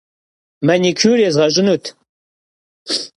Manikür yêzğeş'ınut.